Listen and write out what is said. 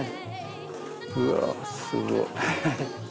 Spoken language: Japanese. うわぁすごい！